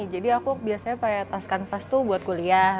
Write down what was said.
jadi aku biasanya pakai tas canvas tuh buat kuliah